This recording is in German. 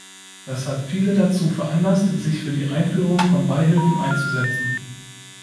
Das hat viele dazu veranlasst, sich für die Einführung von Beihilfen einzusetzen.